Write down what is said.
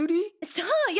そうよ。